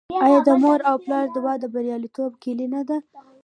آیا د مور او پلار دعا د بریالیتوب کیلي نه ده؟